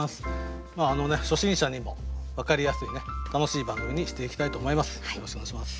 初心者にも分かりやすいね楽しい番組にしていきたいと思います。